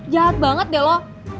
jahat banget deh lo